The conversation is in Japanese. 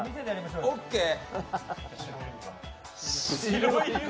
オッケー。